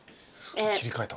切り替えた。